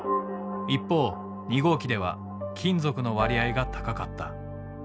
一方２号機では金属の割合が高かった。